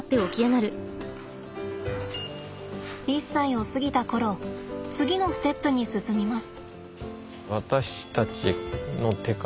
１歳を過ぎた頃次のステップに進みます。